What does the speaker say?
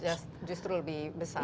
justru lebih besar